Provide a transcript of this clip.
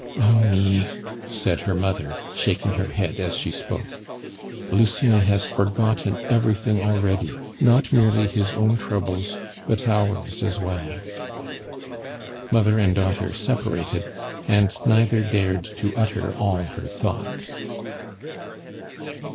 "Oh me!" said her mother, shaking her head as she spoke. "Lucien has forgotten everything already; not merely his own troubles, but ours as well." Mother and daughter separated, and neither dared to utter all her thoughts.